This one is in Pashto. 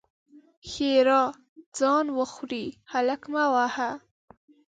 ښېرا: ځان وخورې؛ هلک مه وهه!